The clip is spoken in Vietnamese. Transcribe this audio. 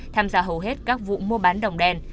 tham gia hầu hết các vụ mua bán đồng đèn